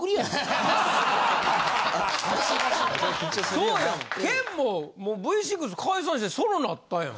そうやん健ももうＶ６解散してソロなったやん。